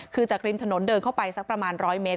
คือจากริมถนนเดินเข้าไปสักประมาณ๑๐๐เมตร